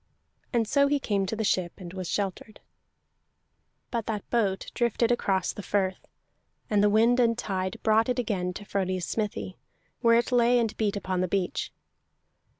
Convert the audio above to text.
And so he came to the ship, and was sheltered. But that boat drifted across the firth, and the wind and tide brought it again to Frodi's smithy, where it lay and beat upon the beach.